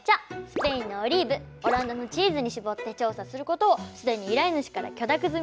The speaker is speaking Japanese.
スペインのオリーブオランダのチーズに絞って調査することをすでに依頼主から許諾済みです。